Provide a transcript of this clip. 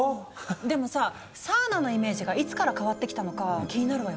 でもさサウナのイメージがいつから変わってきたのかは気になるわよね。